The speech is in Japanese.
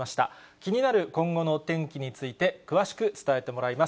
気になる今後のお天気について、詳しく伝えてもらいます。